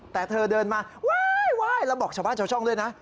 แต่เธอเดินมาไหว้แล้วบอกชาวบ้านชาวช่องด้วยนะ